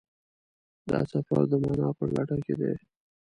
دا سفر د مانا په لټه کې دی.